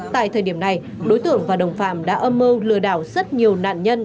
tại thời điểm này đối tượng và đồng phạm đã âm mưu lừa đảo rất nhiều nạn nhân